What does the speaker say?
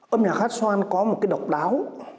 âm nhạc hát xoan có một cái độc đáo